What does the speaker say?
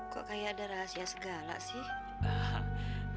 kok kayak ada rahasia segala sih